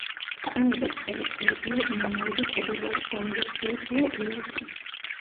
ყველაზე ცხელი თვეებია იანვარი და თებერვალი, ყველაზე ცივი თვეა ივლისი.